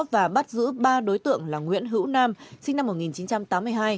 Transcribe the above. và bắt giữ ba đối tượng là nguyễn hữu nam sinh năm một nghìn chín trăm tám mươi hai